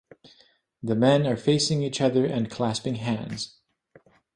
The men are facing each other and clasping hands.